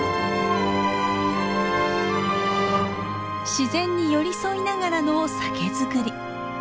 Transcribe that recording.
自然に寄り添いながらの酒造り。